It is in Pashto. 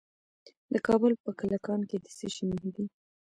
د کابل په کلکان کې د څه شي نښې دي؟